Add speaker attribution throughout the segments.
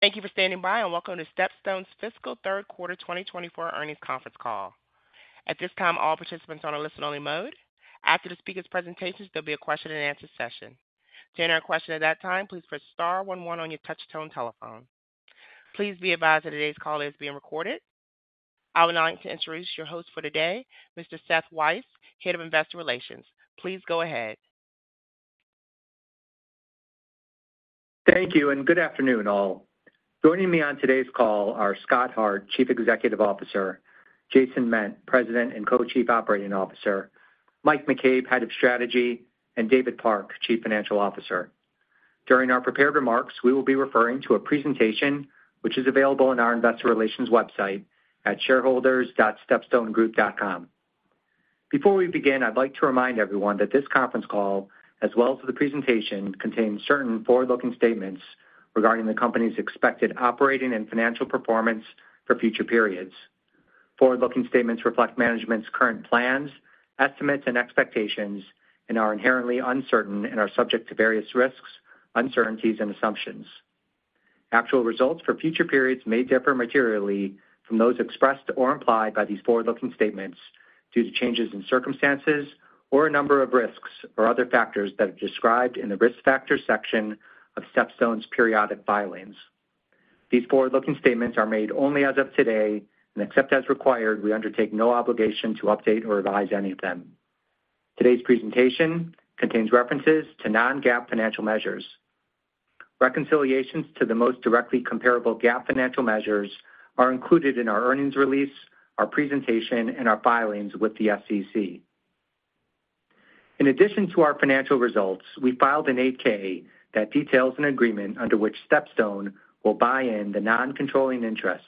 Speaker 1: Thank you for standing by, and welcome to StepStone's Fiscal Third Quarter 2024 Earnings Conference Call. At this time, all participants are on a listen-only mode. After the speakers' presentations, there'll be a question-and-answer session. To enter a question at that time, please press star one one on your touchtone telephone. Please be advised that today's call is being recorded. I would now like to introduce your host for today, Mr. Seth Weiss, Head of Investor Relations. Please go ahead.
Speaker 2: Thank you, and good afternoon, all. Joining me on today's call are Scott Hart, Chief Executive Officer, Jason Ment, President and Co-Chief Operating Officer, Mike McCabe, Head of Strategy, and David Park, Chief Financial Officer. During our prepared remarks, we will be referring to a presentation which is available on our investor relations website at shareholders.stepstonegroup.com. Before we begin, I'd like to remind everyone that this conference call, as well as the presentation, contains certain forward-looking statements regarding the company's expected operating and financial performance for future periods. Forward-looking statements reflect management's current plans, estimates, and expectations and are inherently uncertain and are subject to various risks, uncertainties, and assumptions. Actual results for future periods may differ materially from those expressed or implied by these forward-looking statements due to changes in circumstances or a number of risks or other factors that are described in the Risk Factors section of StepStone's periodic filings. These forward-looking statements are made only as of today, and except as required, we undertake no obligation to update or revise any of them. Today's presentation contains references to non-GAAP financial measures. Reconciliations to the most directly comparable GAAP financial measures are included in our earnings release, our presentation, and our filings with the SEC. In addition to our financial results, we filed an 8-K that details an agreement under which StepStone will buy in the non-controlling interests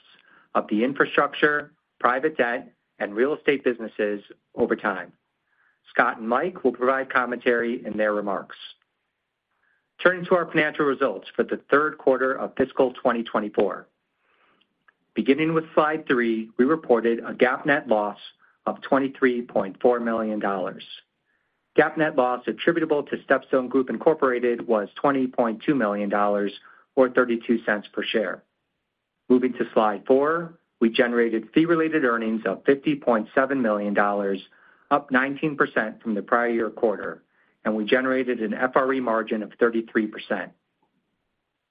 Speaker 2: of the infrastructure, private debt, and real estate businesses over time. Scott and Mike will provide commentary in their remarks. Turning to our financial results for the third quarter of fiscal 2024. Beginning with slide three, we reported a GAAP net loss of $23.4 million. GAAP net loss attributable to StepStone Group, Incorporated, was $20.2 million or $0.32 per share. Moving to slide four, we generated fee-related earnings of $50.7 million, up 19% from the prior-year quarter, and we generated an FRE margin of 33%.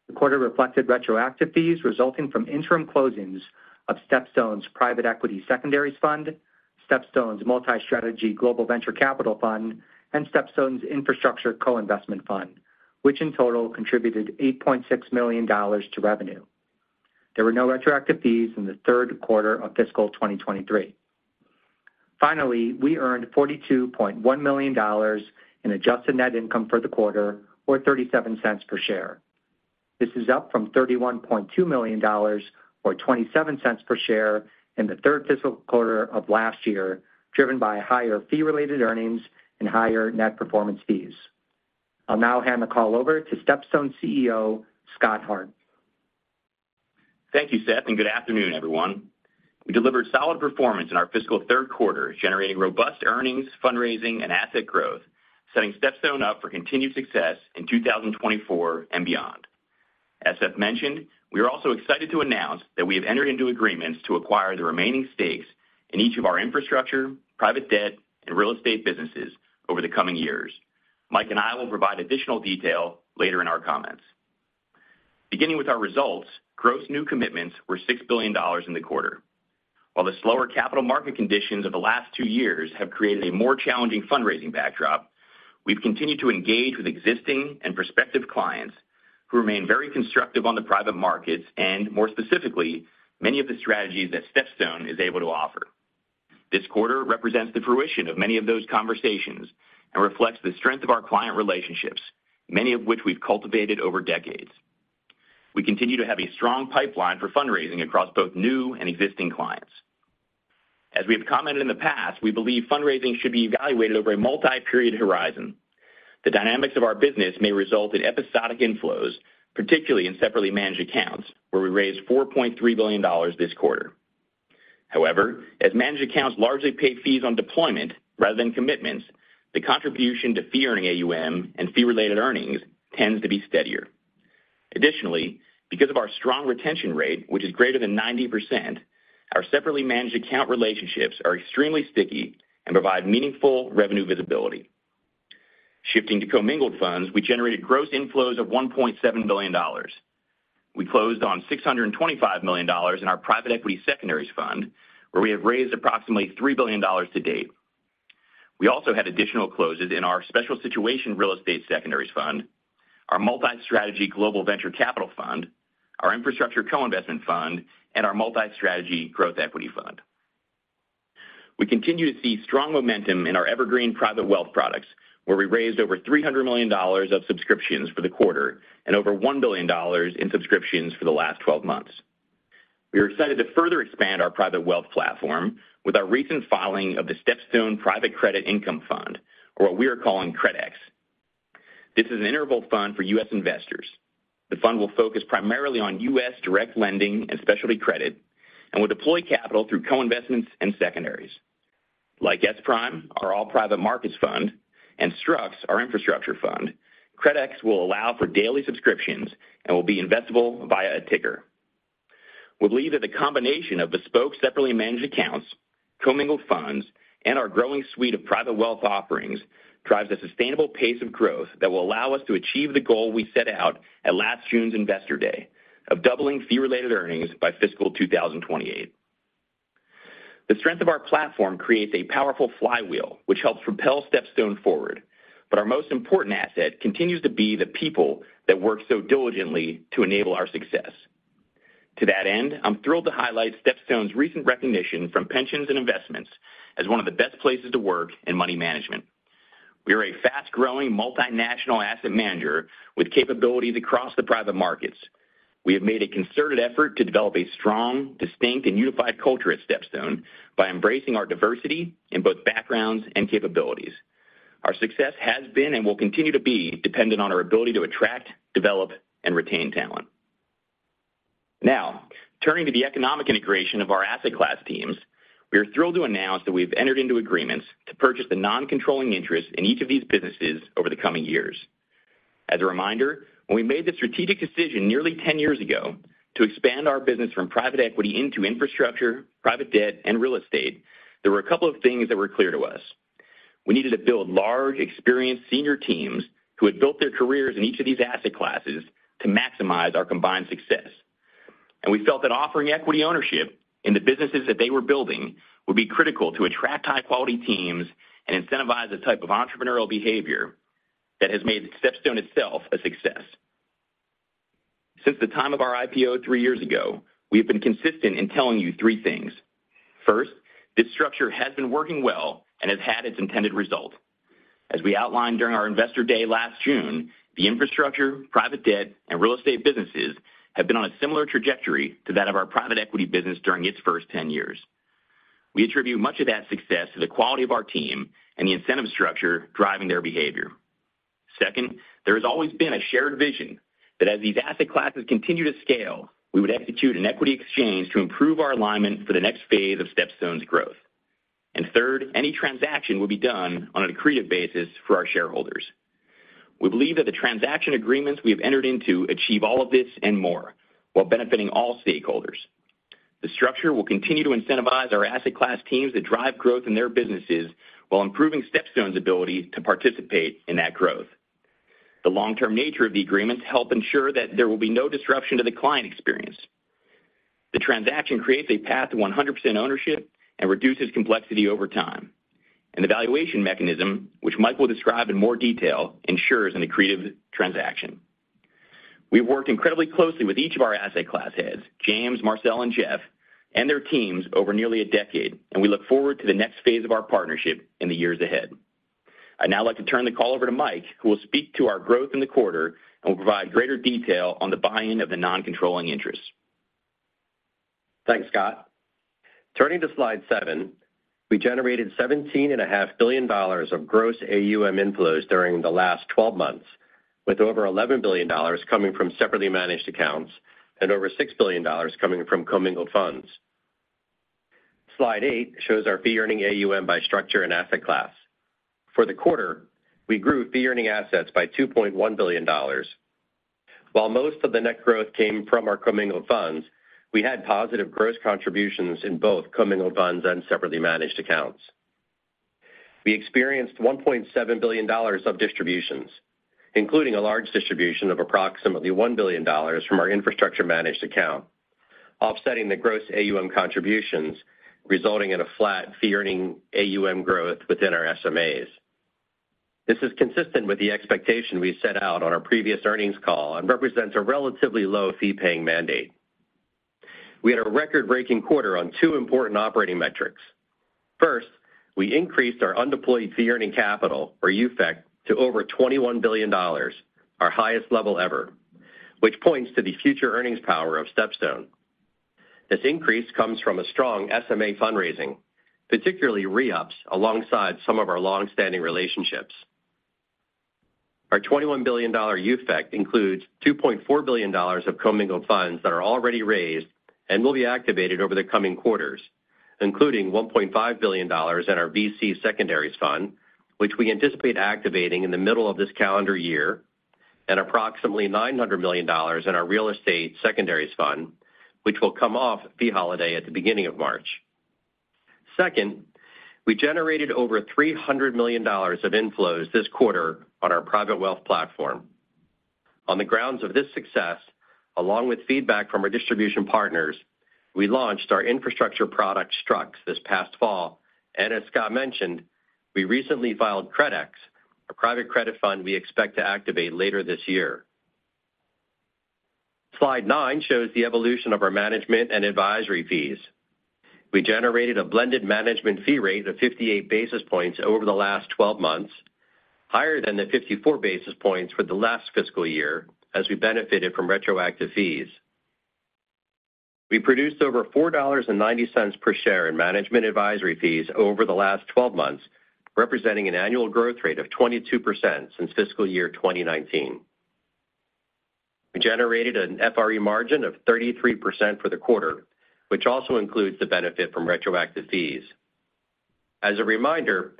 Speaker 2: The quarter reflected retroactive fees resulting from interim closings of StepStone's private equity secondaries fund, StepStone's multi-strategy global venture capital fund, and StepStone's infrastructure co-investment fund, which in total contributed $8.6 million to revenue. There were no retroactive fees in the third quarter of fiscal 2023. Finally, we earned $42.1 million in adjusted net income for the quarter, or $0.37 per share. This is up from $31.2 million, or $0.27 per share, in the third fiscal quarter of last year, driven by higher fee-related earnings and higher net performance fees. I'll now hand the call over to StepStone CEO, Scott Hart.
Speaker 3: Thank you, Seth, and good afternoon, everyone. We delivered solid performance in our fiscal third quarter, generating robust earnings, fundraising, and asset growth, setting StepStone up for continued success in 2024 and beyond. As Seth mentioned, we are also excited to announce that we have entered into agreements to acquire the remaining stakes in each of our infrastructure, private debt, and real estate businesses over the coming years. Mike and I will provide additional detail later in our comments. Beginning with our results, gross new commitments were $6 billion in the quarter. While the slower capital market conditions of the last two years have created a more challenging fundraising backdrop, we've continued to engage with existing and prospective clients who remain very constructive on the private markets and, more specifically, many of the strategies that StepStone is able to offer. This quarter represents the fruition of many of those conversations and reflects the strength of our client relationships, many of which we've cultivated over decades. We continue to have a strong pipeline for fundraising across both new and existing clients. As we have commented in the past, we believe fundraising should be evaluated over a multi-period horizon. The dynamics of our business may result in episodic inflows, particularly in separately managed accounts, where we raised $4.3 billion this quarter. However, as managed accounts largely pay fees on deployment rather than commitments, the contribution to fee-earning AUM and fee-related earnings tends to be steadier. Additionally, because of our strong retention rate, which is greater than 90%, our separately managed account relationships are extremely sticky and provide meaningful revenue visibility. Shifting to commingled funds, we generated gross inflows of $1.7 billion. We closed on $625 million in our private equity secondaries fund, where we have raised approximately $3 billion to date. We also had additional closes in our special situation real estate secondaries fund, our multi-strategy global venture capital fund, our infrastructure co-investment fund, and our multi-strategy growth equity fund. We continue to see strong momentum in our evergreen private wealth products, where we raised over $300 million of subscriptions for the quarter and over $1 billion in subscriptions for the last 12 months. We are excited to further expand our private wealth platform with our recent filing of the StepStone Private Credit Income Fund, or what we are calling CredX. This is an interval fund for U.S. investors. The fund will focus primarily on U.S. direct lending and specialty credit and will deploy capital through co-investments and secondaries. Like S-Prime, our all-private markets fund, and STRUCT, our infrastructure fund, CredX will allow for daily subscriptions and will be investable via a ticker. We believe that the combination of bespoke, separately managed accounts, commingled funds, and our growing suite of private wealth offerings drives a sustainable pace of growth that will allow us to achieve the goal we set out at last June's Investor Day, of doubling fee-related earnings by fiscal 2028. The strength of our platform creates a powerful flywheel, which helps propel StepStone forward, but our most important asset continues to be the people that work so diligently to enable our success. To that end, I'm thrilled to highlight StepStone's recent recognition from Pensions & Investments as one of the best places to work in money management. We are a fast-growing, multinational asset manager with capabilities across the private markets. We have made a concerted effort to develop a strong, distinct, and unified culture at StepStone by embracing our diversity in both backgrounds and capabilities. Our success has been, and will continue to be, dependent on our ability to attract, develop, and retain talent. Now, turning to the economic integration of our asset class teams, we are thrilled to announce that we've entered into agreements to purchase the non-controlling interest in each of these businesses over the coming years. As a reminder, when we made the strategic decision nearly 10 years ago to expand our business from private equity into infrastructure, private debt, and real estate, there were a couple of things that were clear to us. We needed to build large, experienced senior teams who had built their careers in each of these asset classes to maximize our combined success. We felt that offering equity ownership in the businesses that they were building would be critical to attract high-quality teams and incentivize the type of entrepreneurial behavior that has made StepStone itself a success. Since the time of our IPO three years ago, we have been consistent in telling you three things. First, this structure has been working well and has had its intended result. As we outlined during our Investor Day last June, the infrastructure, private debt, and real estate businesses have been on a similar trajectory to that of our private equity business during its first 10 years. We attribute much of that success to the quality of our team and the incentive structure driving their behavior. Second, there has always been a shared vision that as these asset classes continue to scale, we would execute an equity exchange to improve our alignment for the next phase of StepStone's growth. Third, any transaction will be done on an accretive basis for our shareholders. We believe that the transaction agreements we have entered into achieve all of this and more, while benefiting all stakeholders. The structure will continue to incentivize our asset class teams to drive growth in their businesses while improving StepStone's ability to participate in that growth. The long-term nature of the agreements help ensure that there will be no disruption to the client experience. The transaction creates a path to 100% ownership and reduces complexity over time, and the valuation mechanism, which Mike will describe in more detail, ensures an accretive transaction. We've worked incredibly closely with each of our asset class heads, James, Marcel, and Jeff, and their teams over nearly a decade, and we look forward to the next phase of our partnership in the years ahead. I'd now like to turn the call over to Mike, who will speak to our growth in the quarter and will provide greater detail on the buy-in of the non-controlling interests.
Speaker 4: Thanks, Scott. Turning to slide seven, we generated $17.5 billion of gross AUM inflows during the last 12 months, with over $11 billion coming from separately managed accounts and over $6 billion coming from commingled funds. Slide eight shows our fee-earning AUM by structure and asset class. For the quarter, we grew fee-earning assets by $2.1 billion. While most of the net growth came from our commingled funds, we had positive gross contributions in both commingled funds and separately managed accounts. We experienced $1.7 billion of distributions, including a large distribution of approximately $1 billion from our infrastructure managed account, offsetting the gross AUM contributions, resulting in a flat fee-earning AUM growth within our SMAs. This is consistent with the expectation we set out on our previous earnings call and represents a relatively low fee-paying mandate. We had a record-breaking quarter on two important operating metrics. First, we increased our undeployed fee-earning capital, or UFEC, to over $21 billion, our highest level ever, which points to the future earnings power of StepStone. This increase comes from a strong SMA fundraising, particularly re-ups, alongside some of our long-standing relationships. Our $21 billion UFEC includes $2.4 billion of commingled funds that are already raised and will be activated over the coming quarters, including $1.5 billion in our VC secondaries fund, which we anticipate activating in the middle of this calendar year, and approximately $900 million in our real estate secondaries fund, which will come off fee holiday at the beginning of March. Second, we generated over $300 million of inflows this quarter on our private wealth platform. On the grounds of this success, along with feedback from our distribution partners, we launched our infrastructure product, STRUCTS, this past fall, and as Scott mentioned, we recently filed CREDX, a private credit fund we expect to activate later this year. Slide nine shows the evolution of our management and advisory fees. We generated a blended management fee rate of 58 basis points over the last twelve months, higher than the 54 basis points for the last fiscal year, as we benefited from retroactive fees. We produced over $4.90 per share in management advisory fees over the last twelve months, representing an annual growth rate of 22% since fiscal year 2019. We generated an FRE margin of 33% for the quarter, which also includes the benefit from retroactive fees. As a reminder,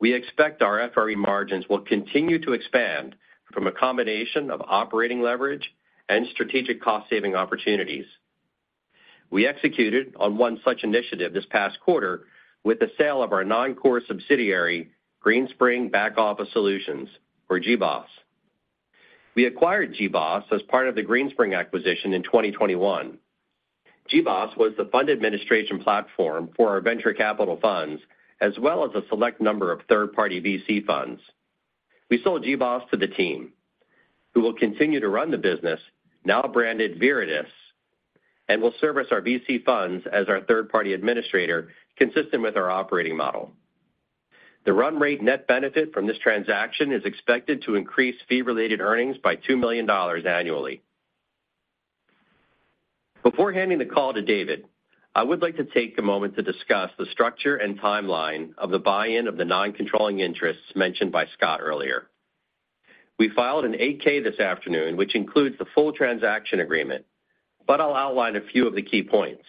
Speaker 4: we expect our FRE margins will continue to expand from a combination of operating leverage and strategic cost-saving opportunities. We executed on one such initiative this past quarter with the sale of our non-core subsidiary, Greenspring Back Office Solutions or GSBOS. We acquired GSBOS as part of the Greenspring acquisition in 2021. GSBOS was the fund administration platform for our venture capital funds, as well as a select number of third-party VC funds. We sold GSBOS to the team, who will continue to run the business, now branded Verivest, and will service our VC funds as our third-party administrator, consistent with our operating model. The run rate net benefit from this transaction is expected to increase fee-related earnings by $2 million annually. Before handing the call to David, I would like to take a moment to discuss the structure and timeline of the buy-in of the non-controlling interests mentioned by Scott earlier. We filed an 8-K this afternoon, which includes the full transaction agreement, but I'll outline a few of the key points.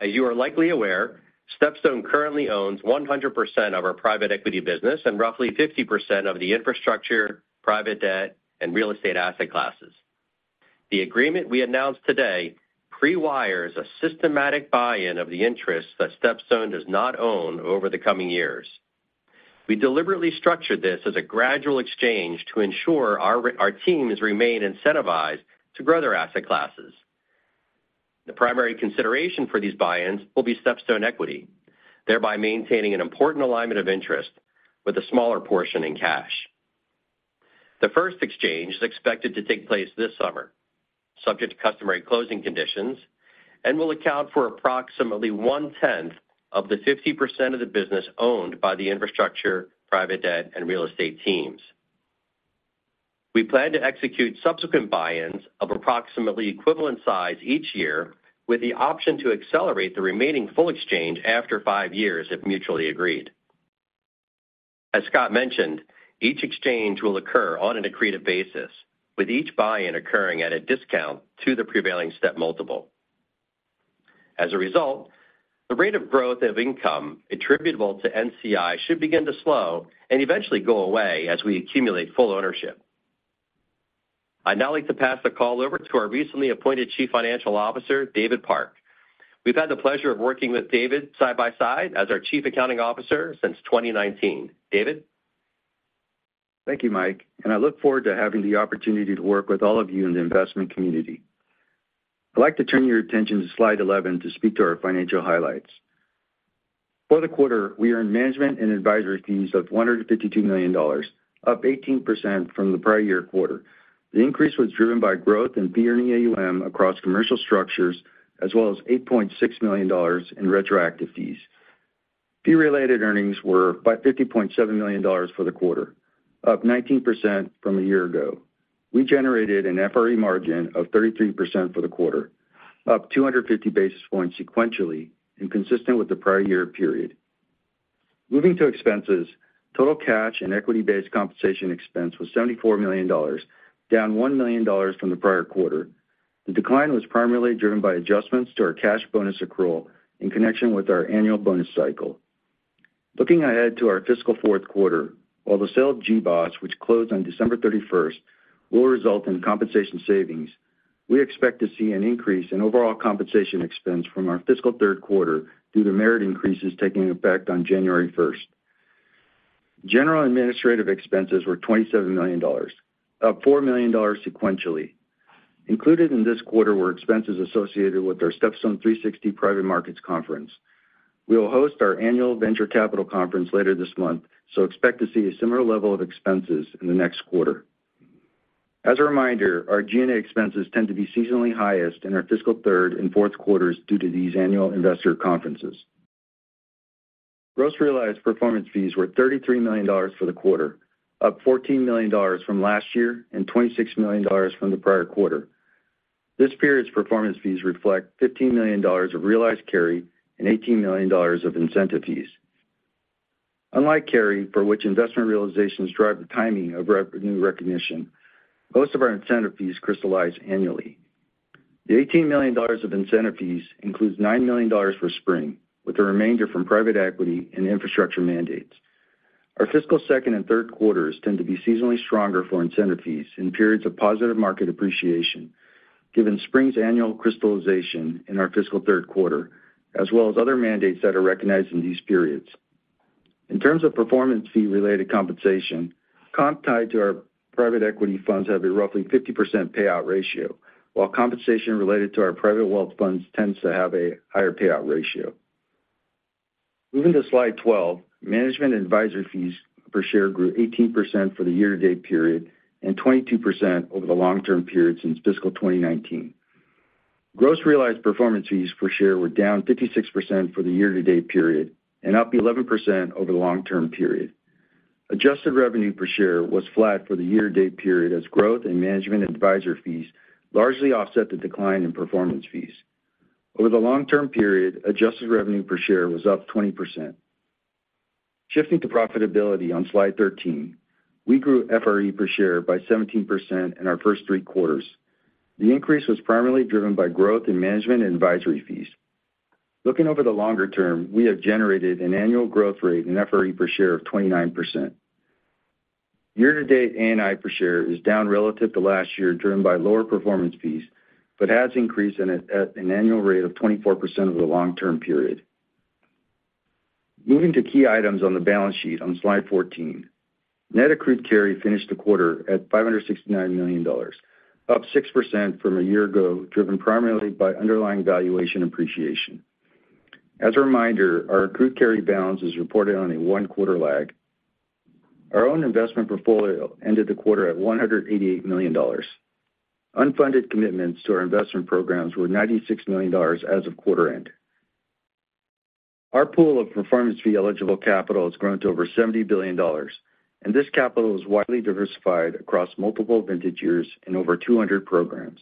Speaker 4: As you are likely aware, StepStone currently owns 100% of our private equity business and roughly 50% of the infrastructure, private debt, and real estate asset classes. The agreement we announced today pre-wires a systematic buy-in of the interests that StepStone does not own over the coming years. We deliberately structured this as a gradual exchange to ensure our teams remain incentivized to grow their asset classes. The primary consideration for these buy-ins will be StepStone equity, thereby maintaining an important alignment of interest with a smaller portion in cash. The first exchange is expected to take place this summer, subject to customary closing conditions, and will account for approximately one-tenth of the 50% of the business owned by the infrastructure, private debt, and real estate teams. We plan to execute subsequent buy-ins of approximately equivalent size each year, with the option to accelerate the remaining full exchange after five years, if mutually agreed. As Scott mentioned, each exchange will occur on an accretive basis, with each buy-in occurring at a discount to the prevailing step multiple. As a result, the rate of growth of income attributable to NCI should begin to slow and eventually go away as we accumulate full ownership. I'd now like to pass the call over to our recently appointed Chief Financial Officer, David Park. We've had the pleasure of working with David side by side as our Chief Accounting Officer since 2019. David?
Speaker 5: Thank you, Mike, and I look forward to having the opportunity to work with all of you in the investment community. I'd like to turn your attention to slide 11 to speak to our financial highlights. For the quarter, we earned management and advisory fees of $152 million, up 18% from the prior year quarter. The increase was driven by growth in fee-earning AUM across commercial structures, as well as $8.6 million in retroactive fees. Fee-related earnings were $50.7 million for the quarter, up 19% from a year ago. We generated an FRE margin of 33% for the quarter, up 250 basis points sequentially and consistent with the prior year period. Moving to expenses, total cash and equity-based compensation expense was $74 million, down $1 million from the prior quarter. The decline was primarily driven by adjustments to our cash bonus accrual in connection with our annual bonus cycle. Looking ahead to our fiscal fourth quarter, while the sale of GSBOS, which closed on December 31st, will result in compensation savings, we expect to see an increase in overall compensation expense from our fiscal third quarter due to merit increases taking effect on January 1st. General administrative expenses were $27 million, up $4 million sequentially. Included in this quarter were expenses associated with our StepStone 360 Private Markets conference. We will host our annual venture capital conference later this month, so expect to see a similar level of expenses in the next quarter. As a reminder, our G&A expenses tend to be seasonally highest in our fiscal third and fourth quarters due to these annual investor conferences. Gross realized performance fees were $33 million for the quarter, up $14 million from last year and $26 million from the prior quarter. This period's performance fees reflect $15 million of realized carry and $18 million of incentive fees. Unlike carry, for which investment realizations drive the timing of recognition, most of our incentive fees crystallize annually. The $18 million of incentive fees includes $9 million for S-PRIME, with the remainder from private equity and infrastructure mandates. Our fiscal second and third quarters tend to be seasonally stronger for incentive fees in periods of positive market appreciation, given S-PRIME's annual crystallization in our fiscal third quarter, as well as other mandates that are recognized in these periods. In terms of performance fee-related compensation, comp tied to our private equity funds have a roughly 50% payout ratio, while compensation related to our private wealth funds tends to have a higher payout ratio. Moving to slide 12, management and advisory fees per share grew 18% for the year-to-date period and 22% over the long-term period since fiscal 2019. Gross realized performance fees per share were down 56% for the year-to-date period and up 11% over the long-term period. Adjusted revenue per share was flat for the year-to-date period, as growth in management and advisory fees largely offset the decline in performance fees. Over the long-term period, adjusted revenue per share was up 20%. Shifting to profitability on Slide 13, we grew FRE per share by 17% in our first three quarters. The increase was primarily driven by growth in management and advisory fees. Looking over the longer term, we have generated an annual growth rate in FRE per share of 29%. Year to date, ANI per share is down relative to last year, driven by lower performance fees, but has increased in it at an annual rate of 24% over the long-term period. Moving to key items on the balance sheet on Slide 14. Net accrued carry finished the quarter at $569 million, up 6% from a year ago, driven primarily by underlying valuation appreciation. As a reminder, our accrued carry balance is reported on a one-quarter lag. Our own investment portfolio ended the quarter at $188 million. Unfunded commitments to our investment programs were $96 million as of quarter-end. Our pool of performance fee eligible capital has grown to over $70 billion, and this capital is widely diversified across multiple vintage years in over 200 programs.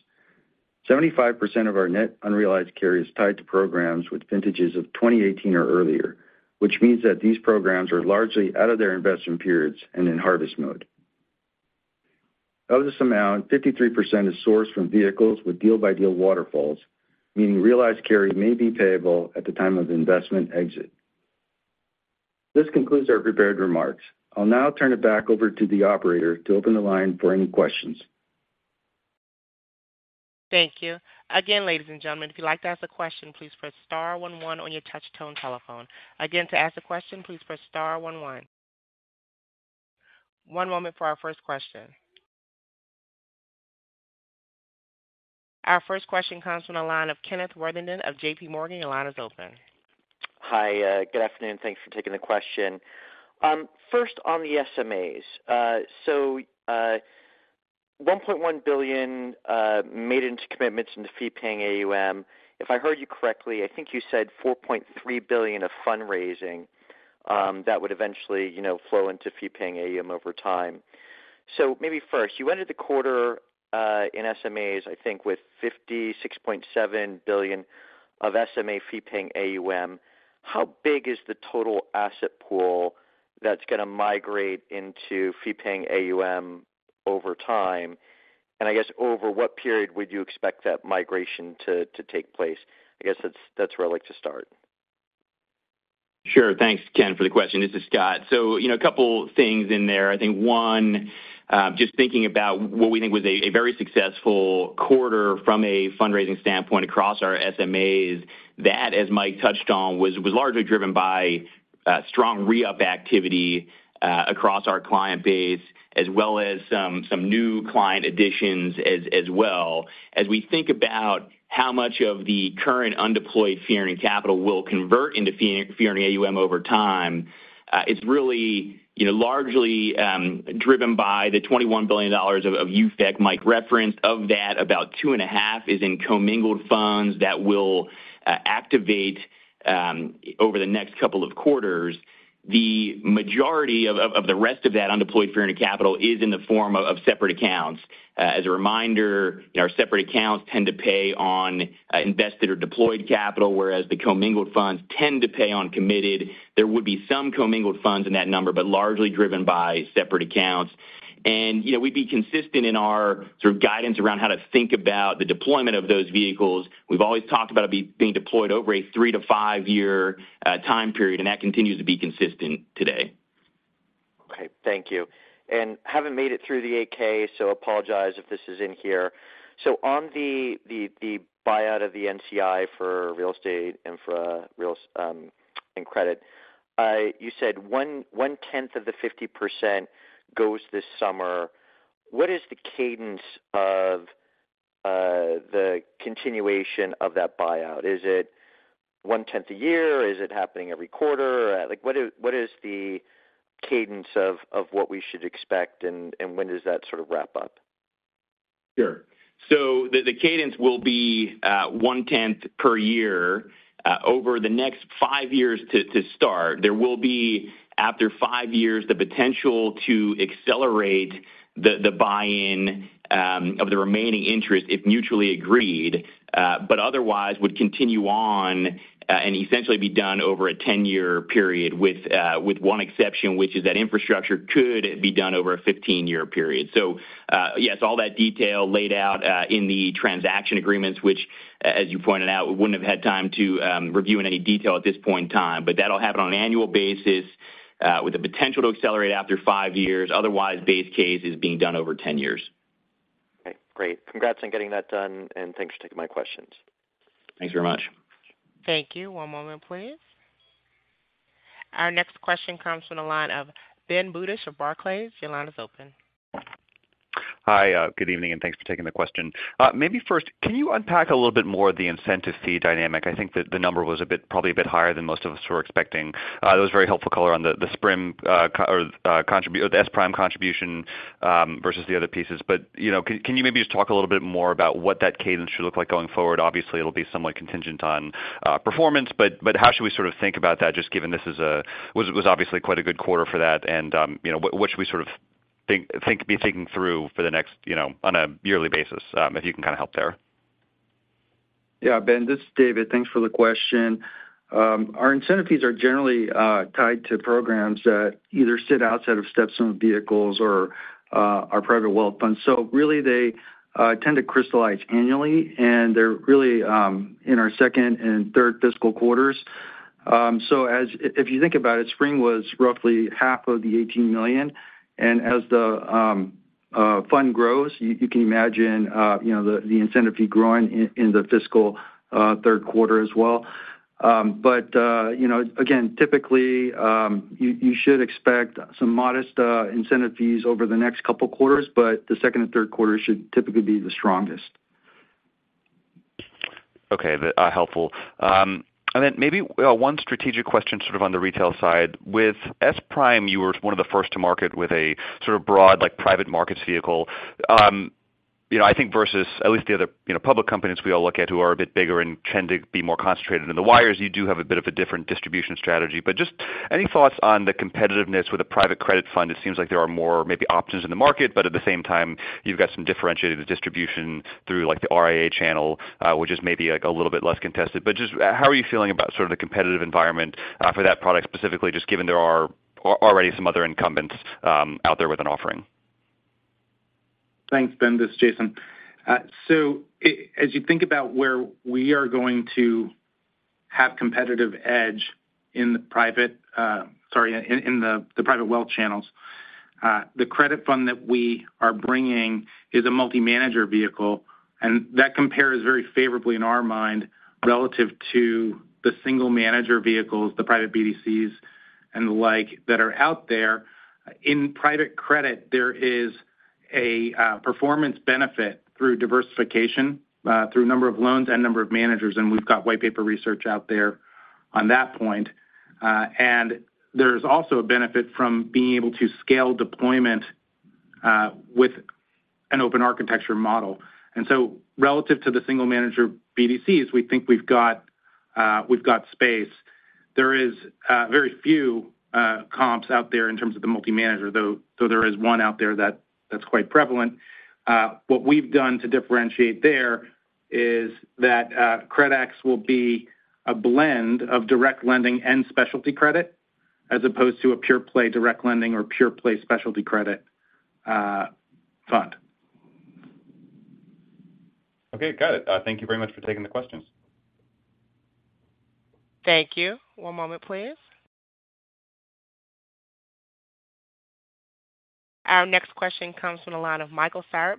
Speaker 5: 75% of our net unrealized carry is tied to programs with vintages of 2018 or earlier, which means that these programs are largely out of their investment periods and in harvest mode. Of this amount, 53% is sourced from vehicles with deal by deal waterfalls, meaning realized carry may be payable at the time of investment exit. This concludes our prepared remarks. I'll now turn it back over to the operator to open the line for any questions.
Speaker 1: Thank you. Again, ladies and gentlemen, if you'd like to ask a question, please press star one one on your touchtone telephone. Again, to ask a question, please press star one one. One moment for our first question. Our first question comes from the line of Kenneth Worthington of JPMorgan. Your line is open.
Speaker 6: Hi, good afternoon. Thanks for taking the question. First on the SMAs, so, $1.1 billion made into commitments into fee paying AUM. If I heard you correctly, I think you said $4.3 billion of fundraising, that would eventually, you know, flow into fee paying AUM over time. So maybe first, you ended the quarter in SMAs, I think, with $56.7 billion of SMA fee paying AUM. How big is the total asset pool that's gonna migrate into fee paying AUM over time? And I guess, over what period would you expect that migration to take place? I guess that's where I'd like to start.
Speaker 3: Sure. Thanks, Ken, for the question. This is Scott. So, you know, a couple things in there. I think one, just thinking about what we think was a very successful quarter from a fundraising standpoint across our SMAs, that, as Mike touched on, was largely driven by strong re-up activity across our client base, as well as some new client additions as well. As we think about how much of the current undeployed fee-earning capital will convert into fee-earning AUM over time, it's really, you know, largely driven by the $21 billion of UFEC Mike referenced. Of that, about 2.5 is in commingled funds that will activate over the next couple of quarters. The majority of the rest of that undeployed fee earning capital is in the form of separate accounts. As a reminder, our separate accounts tend to pay on invested or deployed capital, whereas the commingled funds tend to pay on committed. There would be some commingled funds in that number, but largely driven by separate accounts. And, you know, we'd be consistent in our sort of guidance around how to think about the deployment of those vehicles. We've always talked about it being deployed over a three- to five-year time period, and that continues to be consistent today.
Speaker 6: Okay, thank you. And haven't made it through the 8-K, so apologize if this is in here. So on the buyout of the NCI for real estate and for real estate and credit, I... You said one tenth of the 50% goes this summer. What is the cadence of the continuation of that buyout? Is it one tenth a year? Is it happening every quarter? Like, what is the cadence of what we should expect, and when does that sort of wrap up?
Speaker 3: Sure. So the cadence will be 1/10 per year over the next five years to start. There will be, after five years, the potential to accelerate the buy-in of the remaining interest, if mutually agreed, but otherwise would continue on and essentially be done over a 10-year period, with one exception, which is that infrastructure could be done over a 15-year period. So yes, all that detail laid out in the transaction agreements, which, as you pointed out, we wouldn't have had time to review in any detail at this point in time. But that'll happen on an annual basis with the potential to accelerate after five years. Otherwise, base case is being done over 10 years.
Speaker 6: Okay, great. Congrats on getting that done, and thanks for taking my questions.
Speaker 3: Thanks very much.
Speaker 1: Thank you. One moment, please. Our next question comes from the line of Ben Budish of Barclays. Your line is open.
Speaker 7: Hi, good evening, and thanks for taking the question. Maybe first, can you unpack a little bit more of the incentive fee dynamic? I think that the number was a bit, probably a bit higher than most of us were expecting. That was very helpful color on the S-PRIME contribution versus the other pieces. But, you know, can you maybe just talk a little bit more about what that cadence should look like going forward? Obviously, it'll be somewhat contingent on performance, but how should we sort of think about that, just given this was obviously quite a good quarter for that, and you know, what should we sort of be thinking through for the next, you know, on a yearly basis? If you can kind of help there.
Speaker 5: Yeah, Ben, this is David. Thanks for the question. Our incentive fees are generally tied to programs that either sit outside of StepStone vehicles or are private wealth funds. So really they tend to crystallize annually, and they're really in our second and third fiscal quarters. So if you think about it, spring was roughly half of the $18 million, and as the fund grows, you can imagine you know the incentive fee growing in the fiscal third quarter as well. But you know, again, typically you should expect some modest incentive fees over the next couple quarters, but the second and third quarter should typically be the strongest.
Speaker 7: Okay, helpful. And then maybe one strategic question sort of on the retail side: With S-PRIME, you were one of the first to market with a sort of broad, like, private markets vehicle. You know, I think versus at least the other, you know, public companies we all look at who are a bit bigger and tend to be more concentrated in the wires, you do have a bit of a different distribution strategy. But just any thoughts on the competitiveness with a private credit fund? It seems like there are more maybe options in the market, but at the same time, you've got some differentiated distribution through, like, the RIA channel, which is maybe, like, a little bit less contested. But just, how are you feeling about sort of the competitive environment for that product specifically, just given there are already some other incumbents out there with an offering?
Speaker 8: Thanks, Ben. This is Jason. So as you think about where we are going to have competitive edge in the private wealth channels, the credit fund that we are bringing is a multi-manager vehicle, and that compares very favorably in our mind relative to the single manager vehicles, the private BDCs and the like, that are out there. In private credit, there is a performance benefit through diversification through number of loans and number of managers, and we've got white paper research out there on that point. There's also a benefit from being able to scale deployment with an open architecture model. So relative to the single manager BDCs, we think we've got space. There is very few comps out there in terms of the multi-manager, though, though there is one out there that's quite prevalent. What we've done to differentiate there is that CREDX will be a blend of direct lending and specialty credit, as opposed to a pure play direct lending or pure play specialty credit fund.
Speaker 7: Okay, got it. Thank you very much for taking the questions.
Speaker 1: Thank you. One moment, please. Our next question comes from the line of Michael Farah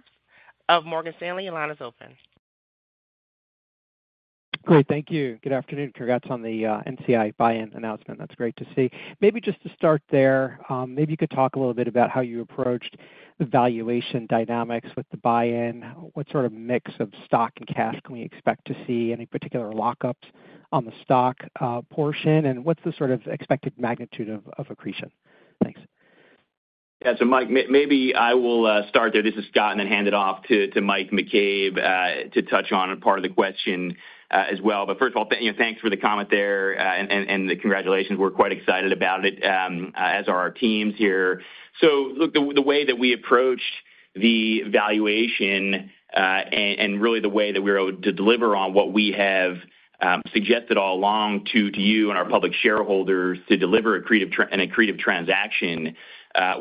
Speaker 1: of Morgan Stanley. Your line is open.
Speaker 9: Great. Thank you. Good afternoon. Congrats on the NCI buy-in announcement. That's great to see. Maybe just to start there, maybe you could talk a little bit about how you approached the valuation dynamics with the buy-in. What sort of mix of stock and cash can we expect to see? Any particular lockups on the stock portion, and what's the sort of expected magnitude of accretion? Thanks.
Speaker 3: Yeah, so Mike, maybe I will start there, this is Scott, and then hand it off to Mike McCabe to touch on part of the question as well. But first of all, you know, thanks for the comment there, and the congratulations. We're quite excited about it, as are our teams here. So look, the way that we approached the valuation, and really the way that we were able to deliver on what we have suggested all along to you and our public shareholders, to deliver an accretive transaction,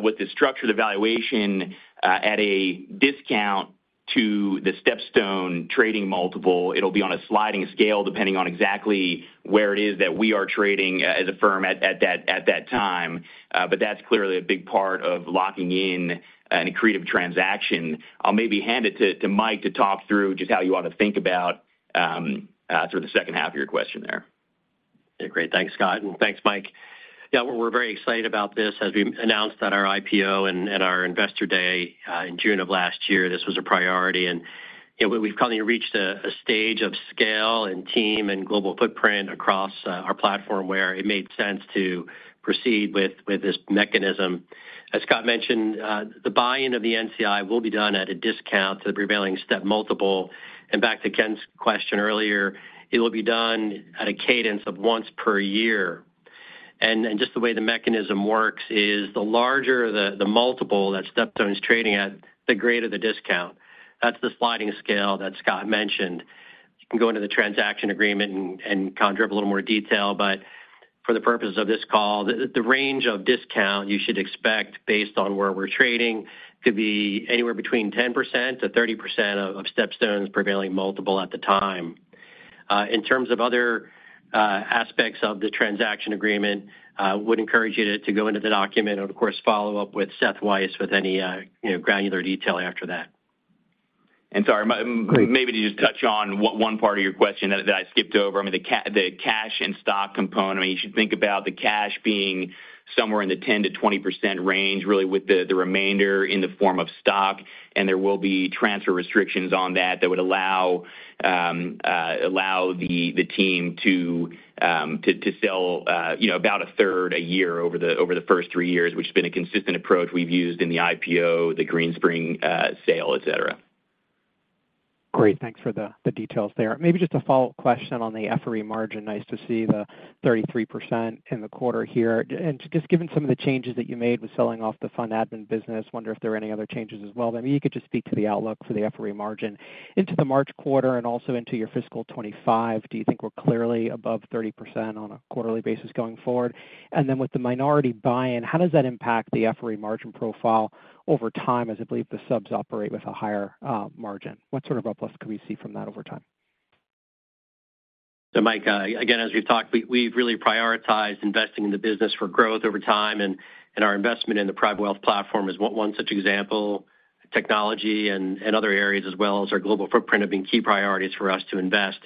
Speaker 3: with the structured valuation, at a discount to the StepStone trading multiple. It'll be on a sliding scale, depending on exactly where it is that we are trading, as a firm at that time. But that's clearly a big part of locking in an accretive transaction. I'll maybe hand it to Mike to talk through just how you want to think about sort of the second half of your question there.
Speaker 4: Yeah. Great. Thanks, Scott, and thanks, Mike. Yeah, we're very excited about this. As we announced at our IPO and our investor day in June of last year, this was a priority. And, you know, we've finally reached a stage of scale and team and global footprint across our platform, where it made sense to proceed with this mechanism. As Scott mentioned, the buy-in of the NCI will be done at a discount to the prevailing STEP multiple. And back to Ken's question earlier, it will be done at a cadence of once per year. And just the way the mechanism works is, the larger the multiple that StepStone is trading at, the greater the discount. That's the sliding scale that Scott mentioned. You can go into the transaction agreement and kind of drip a little more detail, but for the purposes of this call, the range of discount you should expect based on where we're trading could be anywhere between 10%-30% of StepStone's prevailing multiple at the time. In terms of other aspects of the transaction agreement, I would encourage you to go into the document and, of course, follow up with Seth Weiss with any, you know, granular detail after that.
Speaker 3: And sorry, maybe to just touch on one part of your question that I skipped over, I mean, the cash and stock component. I mean, you should think about the cash being somewhere in the 10%-20% range, really with the remainder in the form of stock, and there will be transfer restrictions on that that would allow the team to sell, you know, about a third a year over the first three years, which has been a consistent approach we've used in the IPO, the Greenspring sale, et cetera.
Speaker 9: Great. Thanks for the details there. Maybe just a follow-up question on the FRE margin. Nice to see the 33% in the quarter here. And just given some of the changes that you made with selling off the fund admin business, wonder if there are any other changes as well? I mean, you could just speak to the outlook for the FRE margin into the March quarter and also into your fiscal 2025. Do you think we're clearly above 30% on a quarterly basis going forward? And then with the minority buy-in, how does that impact the FRE margin profile over time, as I believe the subs operate with a higher margin? What sort of uplift can we see from that over time?
Speaker 4: So, Mike, again, as we've talked, we, we've really prioritized investing in the business for growth over time, and, and our investment in the private wealth platform is one such example. Technology and, and other areas, as well as our global footprint, have been key priorities for us to invest.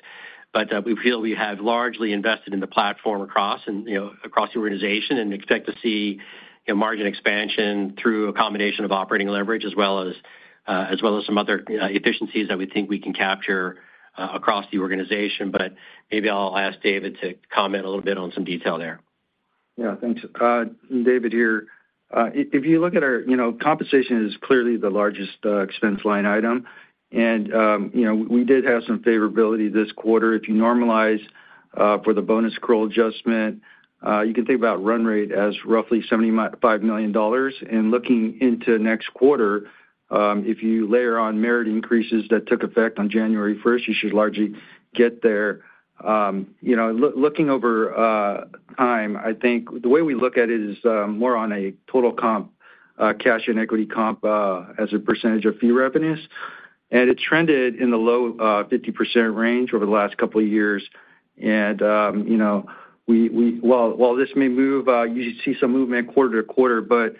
Speaker 4: But, we feel we have largely invested in the platform across and, you know, across the organization and expect to see, you know, margin expansion through a combination of operating leverage as well as, as well as some other, efficiencies that we think we can capture, across the organization. But maybe I'll ask David to comment a little bit on some detail there.
Speaker 5: Yeah, thanks. David here. If you look at our... You know, compensation is clearly the largest expense line item, and, you know, we did have some favorability this quarter. If you normalize for the bonus accrual adjustment, you can think about run rate as roughly $75 million. And looking into next quarter, if you layer on merit increases that took effect on January first, you should largely get there. You know, looking over time, I think the way we look at it is more on a total comp, cash and equity comp, as a percentage of fee revenues, and it trended in the low 50% range over the last couple of years. While this may move, you know, you see some movement quarter to quarter, but,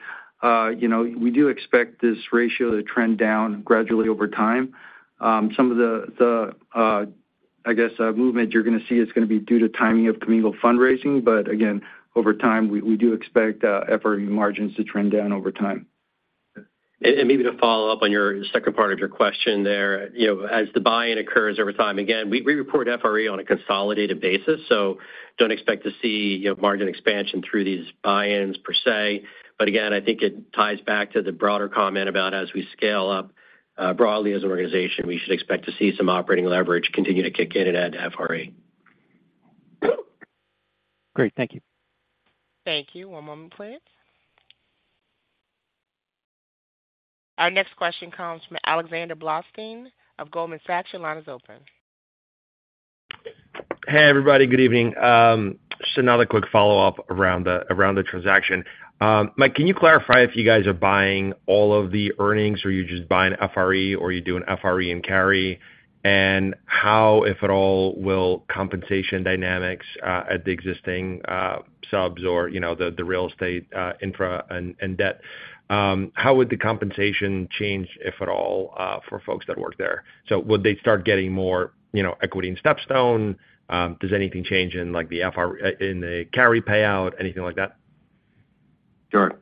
Speaker 5: you know, we do expect this ratio to trend down gradually over time. Some of the, I guess, movement you're going to see is going to be due to timing of commingled fundraising, but again, over time, we do expect FRE margins to trend down over time.
Speaker 4: Maybe to follow up on your second part of your question there. You know, as the buy-in occurs over time, again, we report FRE on a consolidated basis, so don't expect to see, you know, margin expansion through these buy-ins per se. But again, I think it ties back to the broader comment about as we scale up, broadly as an organization, we should expect to see some operating leverage continue to kick in and add to FRE.
Speaker 9: Great. Thank you.
Speaker 1: Thank you. One moment, please. Our next question comes from Alexander Blostein of Goldman Sachs. Your line is open.
Speaker 10: Hey, everybody. Good evening. Just another quick follow-up around the transaction. Mike, can you clarify if you guys are buying all of the earnings, or you're just buying FRE, or you doing FRE and carry? And how, if at all, will compensation dynamics at the existing subs or, you know, the real estate, infra and debt, how would the compensation change, if at all, for folks that work there? So would they start getting more, you know, equity and StepStone? Does anything change in, like, the FRE in the carry payout, anything like that?
Speaker 4: Sure.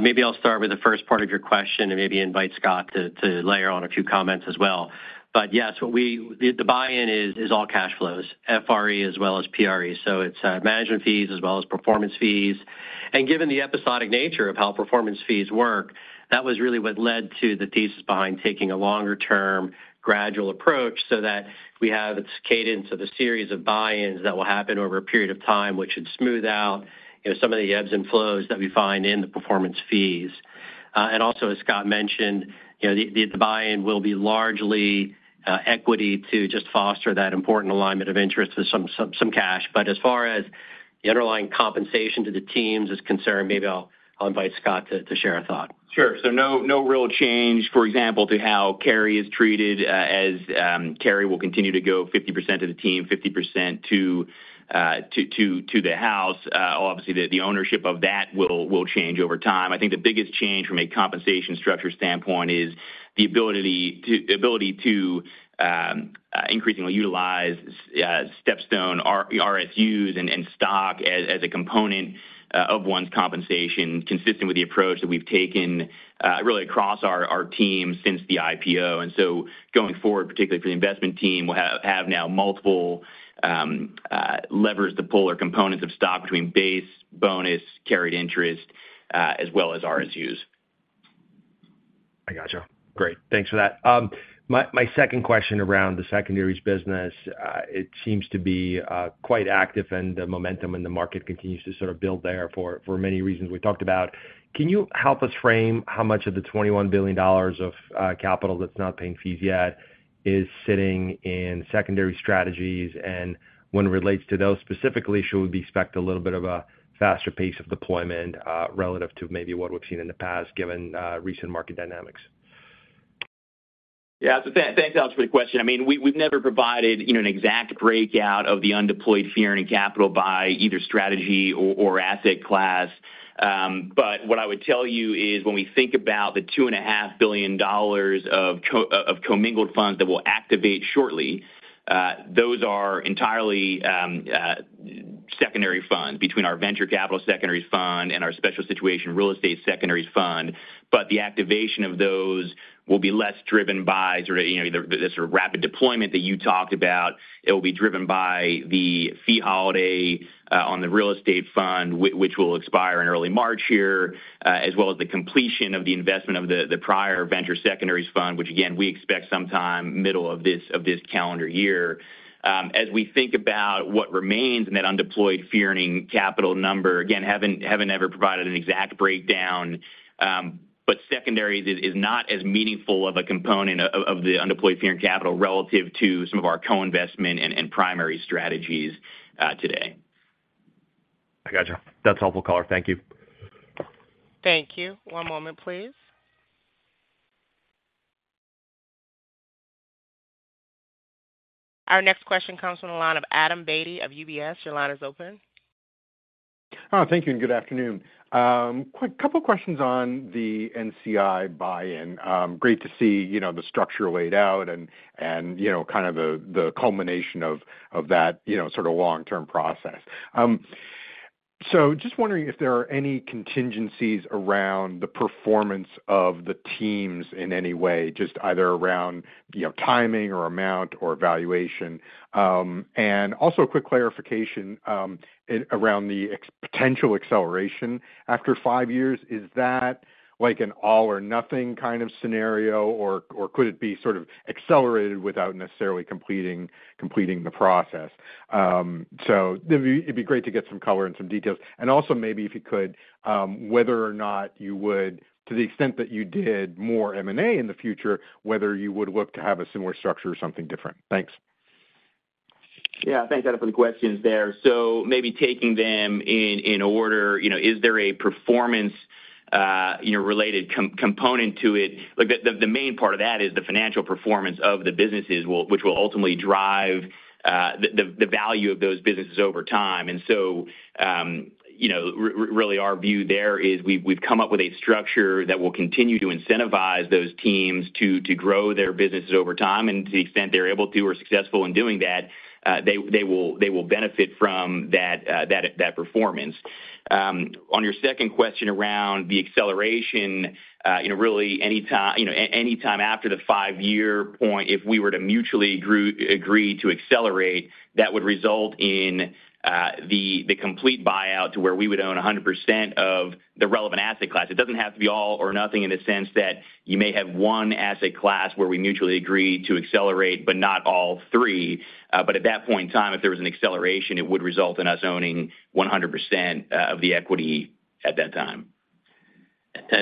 Speaker 4: Maybe I'll start with the first part of your question and maybe invite Scott to layer on a few comments as well. But yes, the buy-in is all cash flows, FRE as well as PRE. So it's management fees as well as performance fees. And given the episodic nature of how performance fees work, that was really what led to the thesis behind taking a longer term, gradual approach, so that we have this cadence of a series of buy-ins that will happen over a period of time, which should smooth out, you know, some of the ebbs and flows that we find in the performance fees. And also, as Scott mentioned, you know, the buy-in will be largely equity to just foster that important alignment of interest with some cash. But as far as the underlying compensation to the teams is concerned, maybe I'll invite Scott to share a thought.
Speaker 3: Sure. So no, no real change, for example, to how carry is treated, as carry will continue to go 50% to the team, 50% to the house. Obviously, the ownership of that will change over time. I think the biggest change from a compensation structure standpoint is the ability to increasingly utilize StepStone RSUs and stock as a component of one's compensation, consistent with the approach that we've taken really across our team since the IPO. Going forward, particularly for the investment team, we'll have now multiple levers to pull or components of stock between base, bonus, carried interest, as well as RSUs.
Speaker 10: I gotcha. Great. Thanks for that. My second question around the secondaries business. It seems to be quite active, and the momentum in the market continues to sort of build there for many reasons we talked about. Can you help us frame how much of the $21 billion of capital that's not paying fees yet is sitting in secondary strategies? And when it relates to those specifically, should we expect a little bit of a faster pace of deployment relative to maybe what we've seen in the past, given recent market dynamics?
Speaker 3: Yeah. So thanks, Alex, for the question. I mean, we, we've never provided, you know, an exact breakout of the undeployed fee earning capital by either strategy or, or asset class. But what I would tell you is, when we think about the $2.5 billion of co- of commingled funds that will activate shortly, those are entirely, secondary funds between our venture capital secondary fund and our special situation real estate secondary fund, but the activation of those will be less driven by sort of, you know, the, the sort of rapid deployment that you talked about. It will be driven by the fee holiday on the real estate fund, which will expire in early March here, as well as the completion of the investment of the prior venture secondaries fund, which again, we expect sometime middle of this calendar year. As we think about what remains in that undeployed fee-earning capital number, again, haven't ever provided an exact breakdown, but secondaries is not as meaningful of a component of the undeployed fee-earned capital relative to some of our co-investment and primary strategies today.
Speaker 10: I gotcha. That's helpful color. Thank you.
Speaker 1: Thank you. One moment, please. Our next question comes from the line of Adam Beatty of UBS. Your line is open.
Speaker 11: Oh, thank you, and good afternoon. Quick couple questions on the NCI buy-in. Great to see, you know, the structure laid out and, you know, kind of the culmination of that, you know, sort of long-term process. So just wondering if there are any contingencies around the performance of the teams in any way, just either around, you know, timing or amount or valuation? And also a quick clarification in around the potential acceleration after five years. Is that like an all or nothing kind of scenario, or could it be sort of accelerated without necessarily completing the process? So it'd be great to get some color and some details. And also, maybe if you could—whether or not you would, to the extent that you did more M&A in the future, whether you would look to have a similar structure or something different? Thanks.
Speaker 3: Yeah, thanks, Adam, for the questions there. So maybe taking them in order, you know, is there a performance, you know, related component to it? Look, the main part of that is the financial performance of the businesses, which will ultimately drive the value of those businesses over time. And so, you know, really our view there is we've come up with a structure that will continue to incentivize those teams to grow their businesses over time, and to the extent they're able to or successful in doing that, they will benefit from that performance. On your second question around the acceleration, you know, really, any time after the five-year point, if we were to mutually agree to accelerate, that would result in the complete buyout to where we would own 100% of the relevant asset class. It doesn't have to be all or nothing in the sense that you may have one asset class where we mutually agree to accelerate, but not all three. But at that point in time, if there was an acceleration, it would result in us owning 100% of the equity at that time.
Speaker 4: To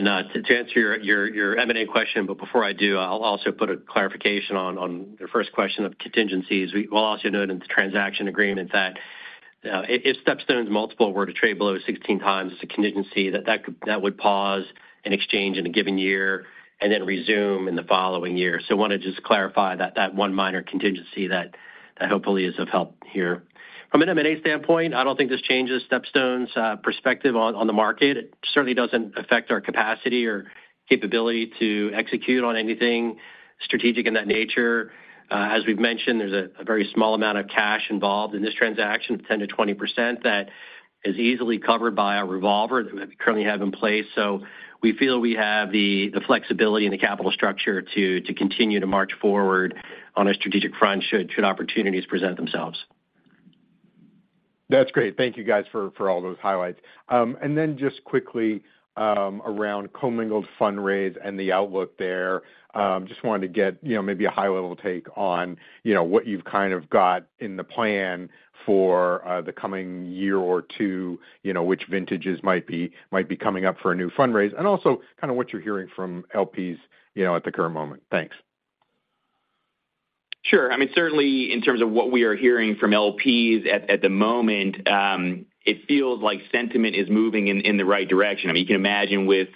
Speaker 4: answer your M&A question, but before I do, I'll also put a clarification on the first question of contingencies. We will also note in the transaction agreement that if StepStone's multiple were to trade below 16x, it's a contingency that would pause an exchange in a given year and then resume in the following year. So wanna just clarify that one minor contingency that hopefully is of help here. From an M&A standpoint, I don't think this changes StepStone's perspective on the market. It certainly doesn't affect our capacity or capability to execute on anything strategic in that nature. As we've mentioned, there's a very small amount of cash involved in this transaction, 10%-20%, that is easily covered by our revolver that we currently have in place. So we feel we have the flexibility and the capital structure to continue to march forward on a strategic front, should opportunities present themselves.
Speaker 11: That's great. Thank you, guys, for all those highlights. And then just quickly, around commingled fundraise and the outlook there, just wanted to get, you know, maybe a high-level take on, you know, what you've kind of got in the plan for the coming year or two, you know, which vintages might be coming up for a new fundraise, and also kind of what you're hearing from LPs, you know, at the current moment. Thanks.
Speaker 3: Sure. I mean, certainly in terms of what we are hearing from LPs at, at the moment, it feels like sentiment is moving in, in the right direction. I mean, you can imagine with,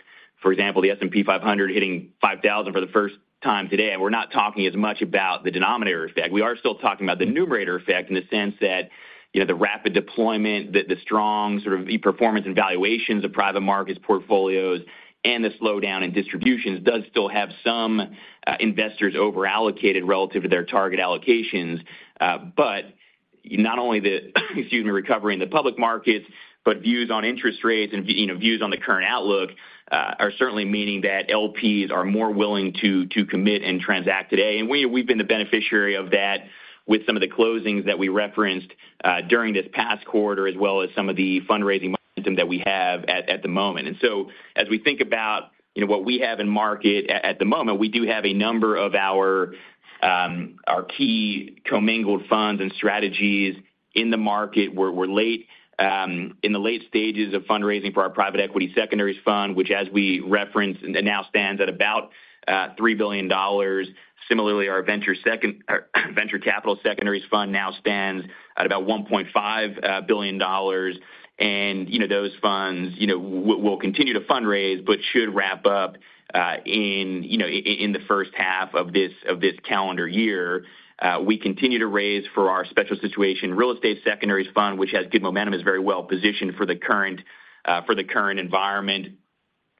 Speaker 3: for example, the S&P 500 hitting 5,000 for the first time today, and we're not talking as much about the denominator effect. We are still talking about the numerator effect in the sense that, you know, the rapid deployment, the, the strong sort of the performance and valuations of private markets portfolios and the slowdown in distributions does still have some investors over-allocated relative to their target allocations. But not only the, excuse me, recovery in the public markets, but views on interest rates and you know, views on the current outlook are certainly meaning that LPs are more willing to, to commit and transact today. And we've been the beneficiary of that with some of the closings that we referenced during this past quarter, as well as some of the fundraising momentum that we have at the moment. And so as we think about, you know, what we have in market at the moment, we do have a number of our key commingled funds and strategies in the market, where we're in the late stages of fundraising for our private equity secondaries fund, which as we referenced, it now stands at about $3 billion. Similarly, our venture secondaries, or venture capital secondaries fund now stands at about $1.5 billion. And, you know, those funds, you know, will continue to fundraise, but should wrap up in, you know, in the first half of this calendar year. We continue to raise for our special situation real estate secondaries fund, which has good momentum, is very well positioned for the current environment.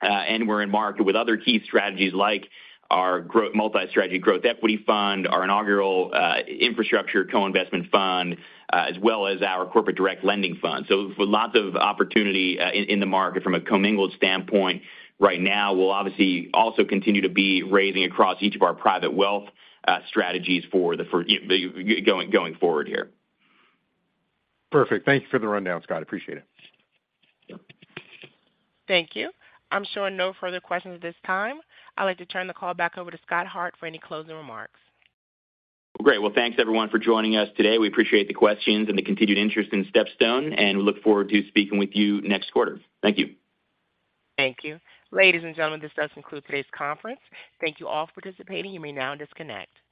Speaker 3: And we're in market with other key strategies like our growth multi-strategy growth equity fund, our inaugural infrastructure co-investment fund, as well as our corporate direct lending fund. So lots of opportunity in the market from a commingled standpoint right now. We'll obviously also continue to be raising across each of our private wealth strategies going forward here.
Speaker 11: Perfect. Thank you for the rundown, Scott. Appreciate it.
Speaker 1: Thank you. I'm showing no further questions at this time. I'd like to turn the call back over to Scott Hart for any closing remarks.
Speaker 3: Great. Well, thanks, everyone, for joining us today. We appreciate the questions and the continued interest in StepStone, and we look forward to speaking with you next quarter. Thank you.
Speaker 1: Thank you. Ladies and gentlemen, this does conclude today's conference. Thank you all for participating. You may now disconnect. Have.